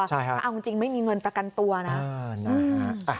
ถ้าเอาจริงไม่มีเงินประกันตัวนะ